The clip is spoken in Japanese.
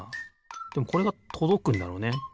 でもこれがとどくんだろうね。